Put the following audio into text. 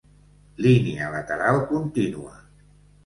Línia lateral contínua.